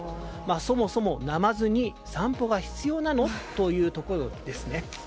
そもそもナマズに散歩が必要なのというところですね。